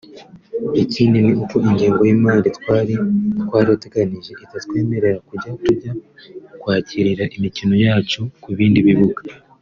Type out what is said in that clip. Ikindi ni uko ingengo y’imari twari twarateganije itatwemerera kujya tujya kwakirira imikino yacu ku bindi bibuga